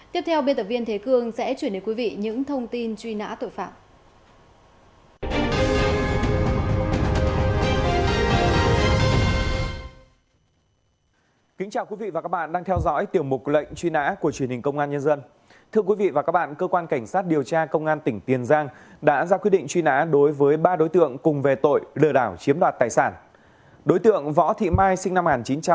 tiếp theo biên tập viên thế cương sẽ truyền đến quý vị những thông tin truy nã tội phạm